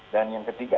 dan yang ketiga